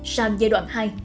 sang giai đoạn hai